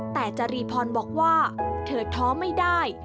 แต่จรีพรบอกว่าเธอท้อไม่ได้